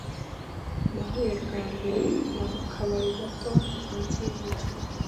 Nahuye bwa mbere na mu kabari gato hanze yumujyi.